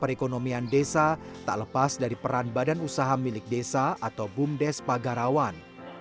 perekonomian desa tak lepas dari peran badan usaha milik desa atau bumdes pagarawan